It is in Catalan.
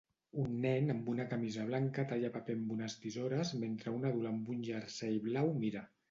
Un nen amb una camisa blanca talla paper amb unes tisores mentre un adult amb un jersei blau mira